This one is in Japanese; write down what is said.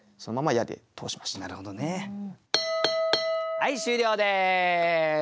はい終了です。